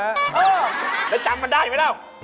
เออแล้วจำมันได้ไหมเล่า